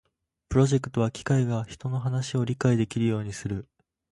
プロジェクトは機械が人の話を理解できるようにする